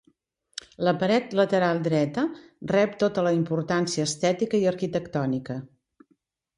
La paret lateral dreta rep tota la importància estètica i arquitectònica.